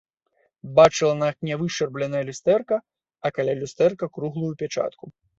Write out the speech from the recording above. Бачыла на акне вышчарбленае люстэрка, а каля люстэрка круглую пячатку.